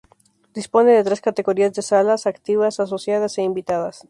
Dispone de tres categorías de salas: activas, asociadas e invitadas.